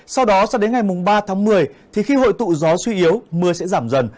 sau đó sang đến ngày ba tháng một mươi thì khi hội tụ gió suy yếu mưa sẽ giảm dần